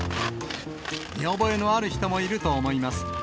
見覚えのある人もいると思います。